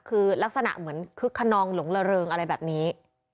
คือลักษณะเหมือนคึกขนองหลงละเริงอะไรแบบนี้